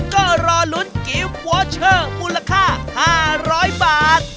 ก็รอลุ้นกิฟต์วอเชอร์มูลค่า๕๐๐บาท